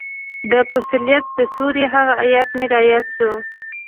د فصلت د سورې هغه ايت مې راياد سو.